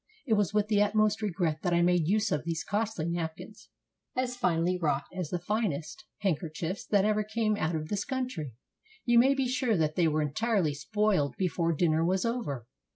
It was with the utmost regret that I made use of these costly napkins, as finely wrought as the finest handkerchiefs that ever came out of this country. You may be sure that they were entirely spoiled before din ner was over.